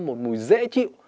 một mùi dễ chịu